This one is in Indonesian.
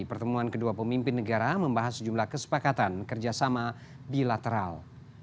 pertemuan kedua pemimpin negara membahas sejumlah kesepakatan kerjasama bilateral